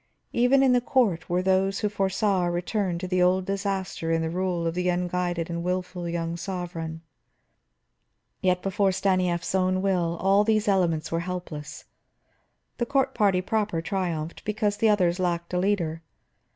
Even in the court were those who foresaw a return to old disaster in the rule of the unguided and wilful young sovereign. Yet before Stanief's own will all these elements were helpless. The court party proper triumphed, because the others lacked a leader.